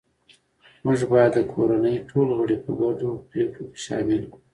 موږ باید د کورنۍ ټول غړي په ګډو پریکړو کې شامل کړو